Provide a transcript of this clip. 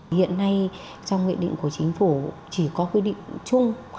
hiện nay trong nghị định của chính phủ chỉ có quy định chung